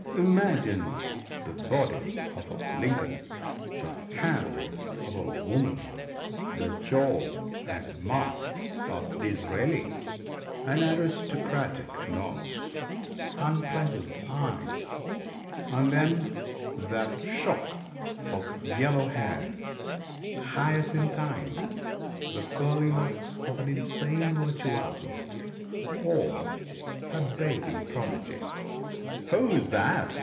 Imagine the body of a Lincoln, the hands of a woman, the jaw and mouth of Disraeli, an aristocratic nose, unpleasant eyes, and then that shock of yellow hair hyacinthine the curly locks of an insane virtuoso or a baby prodigy. "Who is that?"